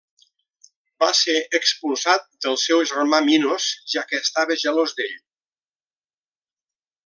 Va ser expulsat del seu germà Minos, ja que estava gelós d'ell.